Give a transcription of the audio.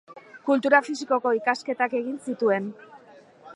Kultura fisikoko ikasketak egin zituen.